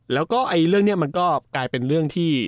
แล้วก็เรื่องนี้มันก็กลายเป็นเรื่องที่